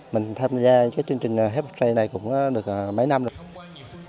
mình tham gia cái chương trình help australia này cũng được mấy năm rồi